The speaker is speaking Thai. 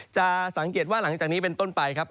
จะสังเกตว่าหลังจากนี้เป็นต้นไปครับ